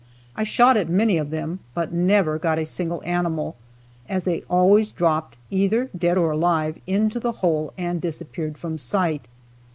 I shot at many of them, but never got a single animal, as they always dropped, either dead or alive, into the hole and disappeared from sight.